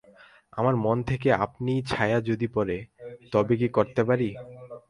আমার মন থেকে আপনিই ছায়া যদি পড়ে, তবে কী করতে পারি।